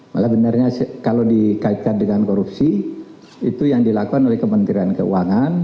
malah benarnya kalau dikaitkan dengan korupsi itu yang dilakukan oleh kementerian keuangan